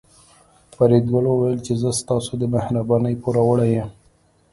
فریدګل وویل چې زه ستاسو د مهربانۍ پوروړی یم